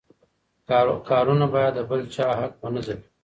کارونه باید د بل چا حق ونه ځپي.